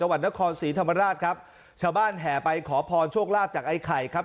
วัดนครศรีธรรมราชครับชาวบ้านแห่ไปขอพรโชคลาภจากไอ้ไข่ครับ